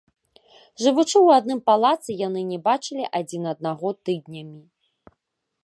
Жывучы ў адным палацы, яны не бачылі адзін аднаго тыднямі.